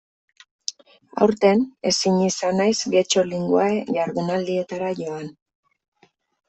Aurten ezin izan naiz Getxo Linguae jardunaldietara joan.